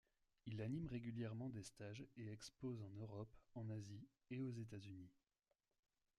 Il anime régulièrement des stages et expose en Europe, en Asie et aux États-Unis.